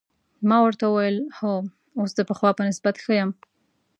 ما ورته وویل: هو، اوس د پخوا په نسبت ښه یم.